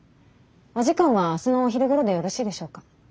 お時間は明日のお昼ごろでよろしいでしょうか？